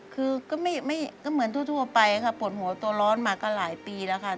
คือก็ไม่เหมือนทั่วไปค่ะปวดหัวตัวร้อนมาก็หลายปีแล้วค่ะ